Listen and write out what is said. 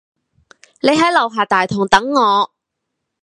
你喺樓下大堂等我